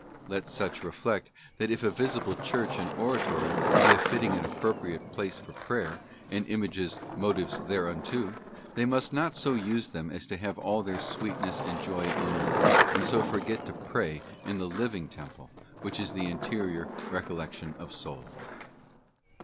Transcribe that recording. Let such reflect that if a visible Church and Oratory be a fitting and appropriate place for prayer, and images motives thereunto, they must not so use them as to have all their sweetness and joy in them, and so forget to pray in the living temple, which is the interior recollection of soul.